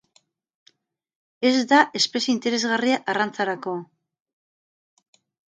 Ez da espezie interesgarria arrantzarako.